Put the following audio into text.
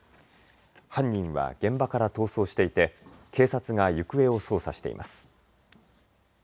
犯人は現場から逃走していて警察が行方を捜査しています。